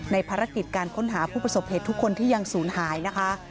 ภารกิจการค้นหาผู้ประสบเหตุทุกคนที่ยังศูนย์หายนะคะ